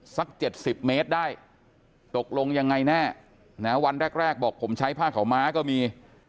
สัก๗๐เมตรได้ตกลงยังไงแน่นะวันแรกบอกผมใช้ผ้าขาวม้าก็มี